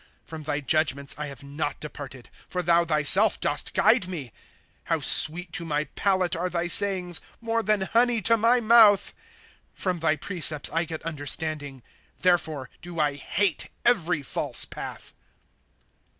From thy judgments I have not departed, For thon thyself dost guide me. How sweet to my palate are thy sayings ; More than honey to my mouth! From thy precepts T get understanding ; Therefore do I hate every false path.